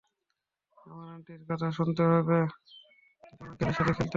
Summer আন্টির কথা শুনতে হবে, জন আঙ্কেলের সাথে খেলতে হবে।